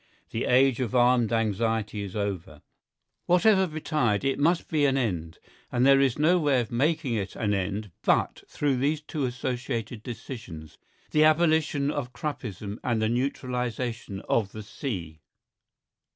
The age of armed anxiety is over. Whatever betide, it must be an end. And there is no way of making it an end but through these two associated decisions, the abolition of Kruppism and the neutralisation of the sea.